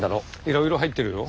いろいろ入ってるよ。